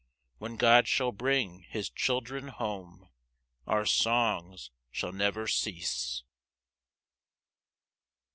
When God shall bring his children home, Our songs shall never cease.